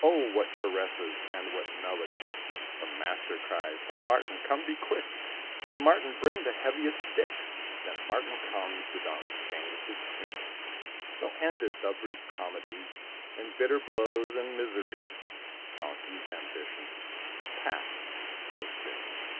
"Oh, what caresses, and what melody!" The master cries; "Ho! Martin, come, be quick! And, Martin, bring the heaviest stick!" Then Martin comes; the donkey changed his tune. So ended the brief comedy In bitter blows and misery. Donkeys' ambitions pass so soon.